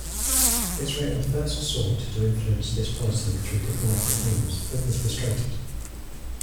Israel first sought to influence this policy through diplomatic means but was frustrated.